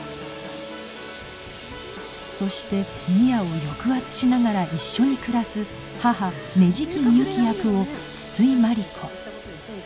そして深愛を抑圧しながら一緒に暮らす母捻木美幸役を筒井真理子